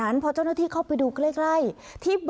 อันดับที่สุดท้าย